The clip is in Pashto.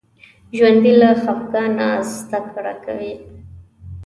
ژوندي له خفګانه زده کړه کوي